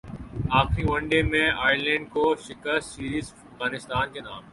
اخری one day میں Ireland کو شکستسیریز افغانستان کے نام